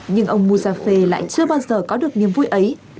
nhưng ông moussafe lại chưa bao giờ có được niềm vui ấy